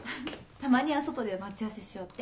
たまには外で待ち合わせしようって。